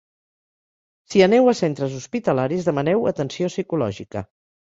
Si aneu a centres hospitalaris demaneu atenció psicològica.